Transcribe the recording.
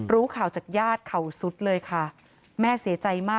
รู้ข่าวจากญาติเขาสุดเลยค่ะ